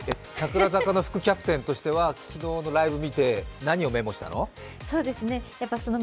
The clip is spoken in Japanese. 櫻坂の副キャプテンとしては、昨日のライブ見て何をメモしたの？